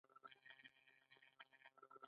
څرنګه چې سفیر دا منطقي ځواب ردولای نه شوای.